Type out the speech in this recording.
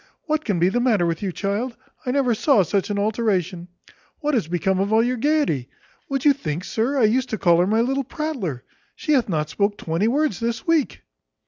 What can be the matter with you, child? I never saw such an alteration. What is become of all your gaiety? Would you think, sir, I used to call her my little prattler? She hath not spoke twenty words this week."